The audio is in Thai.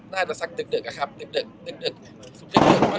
น่าจะสักที่ดึกครับไป